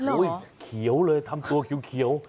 เขียวเลยทำตัวเขียว